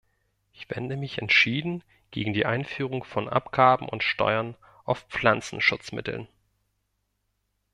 Ich wende mich entschieden gegen die Einführung von Abgaben und Steuern auf Pflanzenschutzmitteln.